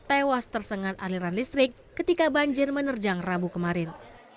tewas tersengat aliran listrik ketika banjir menerjang rabu kemarin